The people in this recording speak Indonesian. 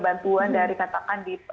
bantuan dari katakan di